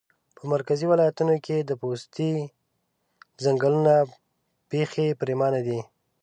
په مرکزي ولایتونو کې د پوستې ځنګلونه پیخي پرېمانه دي